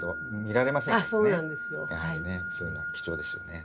やはりねそういうのは貴重ですよね。